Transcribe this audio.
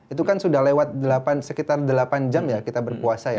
itu kan sudah lewat delapan sekitar delapan jam ya kita berpuasa ya